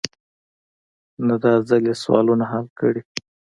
نه داځل يې سوالونه حل کړي.